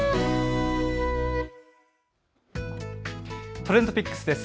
ＴｒｅｎｄＰｉｃｋｓです。